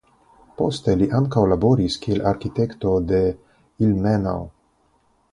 Poste li ankaŭ laboris kiel arkitekto en Ilmenau.